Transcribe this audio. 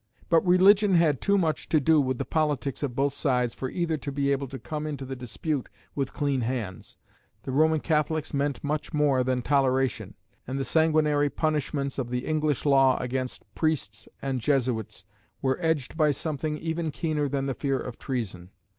But religion had too much to do with the politics of both sides for either to be able to come into the dispute with clean hands: the Roman Catholics meant much more than toleration, and the sanguinary punishments of the English law against priests and Jesuits were edged by something even keener than the fear of treason.